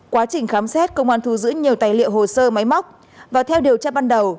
quá trình khám xét công an thu giữ nhiều tài liệu hồ sơ máy móc và theo điều tra ban đầu